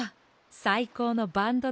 さいこうのバンドだ。